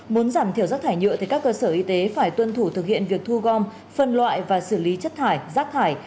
muốn giảm thiểu rác thải nhựa thì các cơ sở y tế phải tuân thủ thực hiện việc thu gom phân loại và xử lý chất thải rác thải